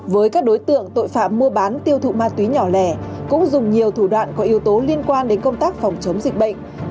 với các đối tượng tội phạm mua bán tiêu thụ ma túy nhỏ lẻ cũng dùng nhiều thủ đoạn có yếu tố liên quan đến công tác phòng chống dịch bệnh